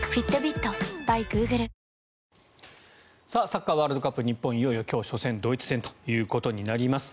サッカーワールドカップ日本、いよいよ今日初戦ドイツ戦ということになります。